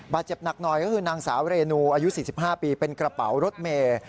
เจ็บหนักหน่อยก็คือนางสาวเรนูอายุ๔๕ปีเป็นกระเป๋ารถเมย์